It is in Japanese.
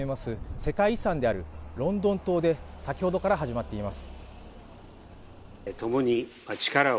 世界遺産であるロンドン塔で先ほどから始まっています。